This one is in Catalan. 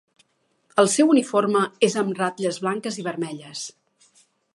El seu uniforme és amb ratlles blanques i vermelles.